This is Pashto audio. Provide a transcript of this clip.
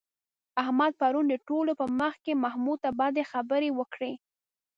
احمد پرون د ټولو په مخ کې محمود ته بدې خبرې وکړې.